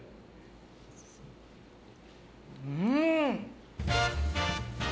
うん！